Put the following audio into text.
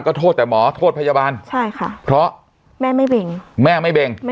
ก็โทษแต่หมอโทษพยาบาลใช่ค่ะเพราะแม่ไม่เบ่งแม่ไม่เบ่ง